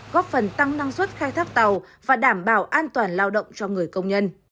góp phần tăng năng suất khai thác tàu và đảm bảo an toàn lao động cho người công nhân